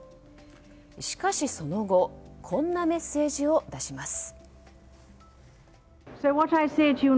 しかし、その後こんなメッセージを出します。